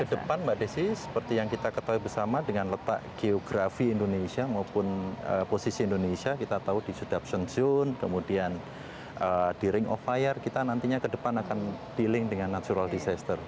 dan ke depan mbak desi seperti yang kita ketahui bersama dengan letak geografi indonesia maupun posisi indonesia kita tahu di sedaption zone kemudian di ring of fire kita nantinya ke depan akan dealing dengan natural disaster